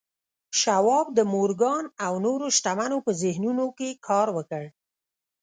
شواب د مورګان او نورو شتمنو په ذهنونو کې کار وکړ